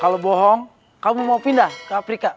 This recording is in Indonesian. kalau bohong kamu mau pindah ke afrika